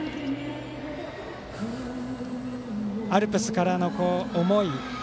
アルプスからの思い